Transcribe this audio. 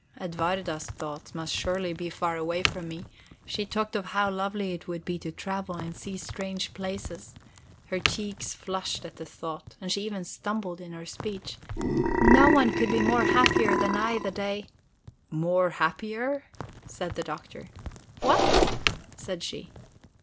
Edwarda's thoughts must surely be far away from me; she talked of how lovely it would be to travel, and see strange places; her cheeks flushed at the thought, and she even stumbled in her speech: "No one could be more happier than I the day ..." "'More happier'...?" said the Doctor. "What?" said she.